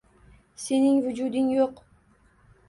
Sening vujuding yo’q